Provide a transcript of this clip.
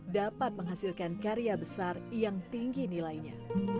dapat menghasilkan karya besar yang tinggi nilainya